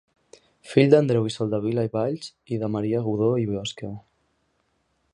Fill d'Andreu Soldevila i Valls i de Maria Godó Biosca.